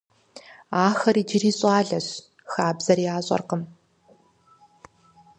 Ахэр иджыри щӀалэщ, хабзэр ящӀэркъым.